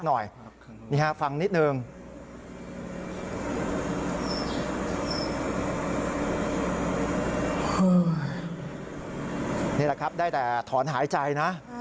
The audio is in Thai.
นี่แหละครับได้แต่ถอนหายใจนะ